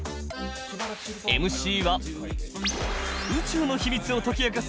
ＭＣは宇宙の秘密を解き明かす